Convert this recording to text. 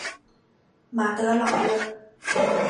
马德朗热。